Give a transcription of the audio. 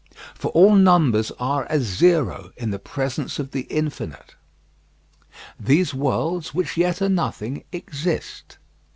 For all numbers are as zero in the presence of the Infinite. These worlds, which yet are nothing, exist.